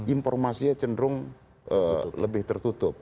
informasinya cenderung lebih tertutup